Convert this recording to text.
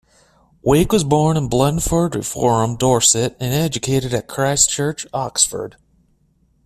Wake was born in Blandford Forum, Dorset, and educated at Christ Church, Oxford.